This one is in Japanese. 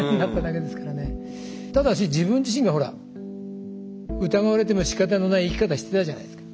ただし自分自身がほら疑われてもしかたのない生き方してたじゃないですか。